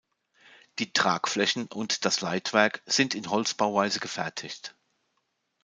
Die Tragflächen und das Leitwerk sind in Holzbauweise gefertigt.